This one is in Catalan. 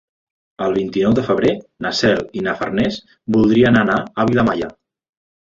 El vint-i-nou de febrer na Cel i na Farners voldrien anar a Vilamalla.